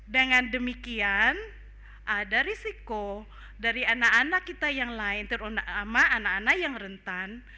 dengan demikian ada risiko dari anak anak kita yang lain terutama anak anak yang rentan